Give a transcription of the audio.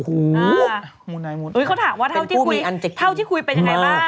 เขาถามว่าเท่าที่คุยเท่าที่คุยเป็นยังไงบ้าง